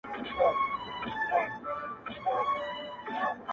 • راسه دروې ښيم.